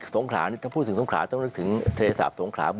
สงขราก็๒วันเหรอครับ